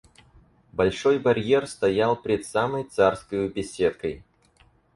Большой барьер стоял пред самой царскою беседкой.